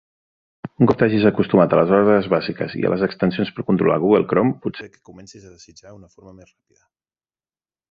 Un cop t'hagis acostumat a les ordres bàsiques i a les extensions per controlar Google Chrome, pot ser que comencis a desitjar una forma més ràpida.